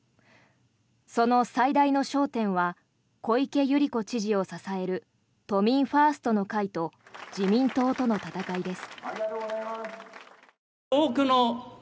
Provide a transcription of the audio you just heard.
その最大の焦点は小池百合子知事を支える都民ファーストの会と自民党との戦いです。